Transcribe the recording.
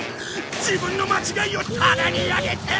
自分の間違いを棚に上げて！